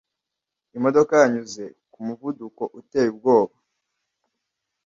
Imodoka yanyuze ku muvuduko uteye ubwoba.